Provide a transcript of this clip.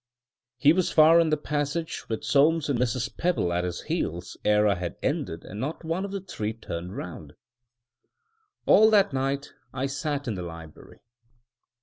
He was far in the passage, with Soames and Mrs. Pebble at his heels, ere I had ended, and not one of the three turned round. All that night I sat in the library.